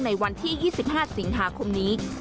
ในวันที่๒๕สิงหาคมนี้